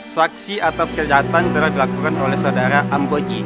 saksi atas kejahatan telah dilakukan oleh saudara amboji